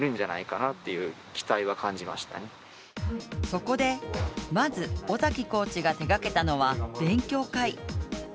そこでまず尾崎コーチが手がけたのは勉強会。